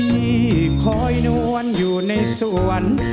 ที่คอยนวลอยู่ในสวน